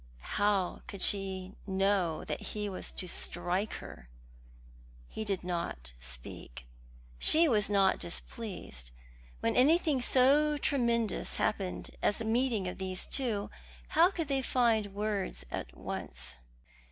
How could she know that he was to strike her? He did not speak. She was not displeased. When anything so tremendous happened as the meeting of these two, how could they find words at once?